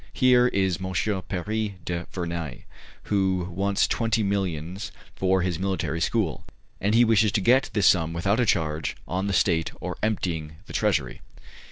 Here is M. Paris du Vernai, who wants twenty millions for his military school; and he wishes to get this sum without a charge on the state or emptying the treasury."